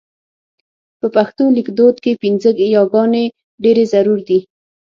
په پښتو لیکدود کې پينځه یې ګانې ډېرې ضرور دي.